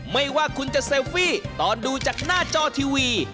ไม่ว่าคุณจะเซลฟี่ตอนดูจากหน้าจอทีวี